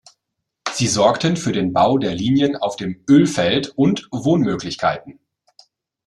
Sie sorgten für den Bau der Linien auf dem Ölfeld und Wohnmöglichkeiten.